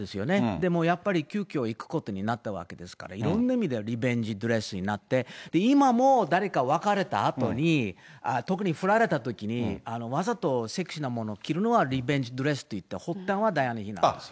でもやっぱり急きょ行くことになったわけですから、いろんな意味でリベンジドレスになって、今も、誰か別れたあとに、特に振られたときにわざとセクシーなものを着るのは、リベンジドレスといって、発端はダイアナ妃なんですよ。